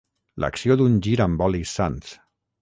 L'acció d'ungir amb olis sants.